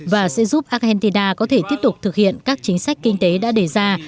và sẽ giúp argentida có thể tiếp tục thực hiện các chính sách kinh tế đã đề ra